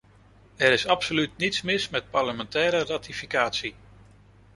Er is absoluut niets mis met parlementaire ratificatie.